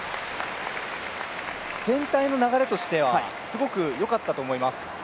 全体の流れとしてはすごくよかったと思います。